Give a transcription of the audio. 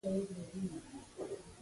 که په دې وخت کې هم دا اختلاف ټینګوي.